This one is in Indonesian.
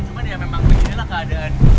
cuma dia memang beginilah keadaan